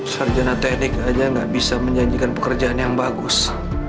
sarjana teknik aja nggak bisa menjanjikan pekerjaan yang bagus